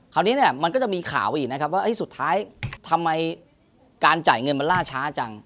คราวนี้เนี่ยมันก็จะมีข่าวอีกนะครับว่าสุดท้ายทำไมการจ่ายเงินมันล่าช้าจัง